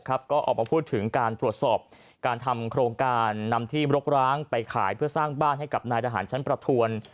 ก็ออกมาพูดถึงการตรวจสอบการทำโครงการนำที่รกร้างไปขายเพื่อสร้างบ้านให้กับนายทหารชั้นประทวน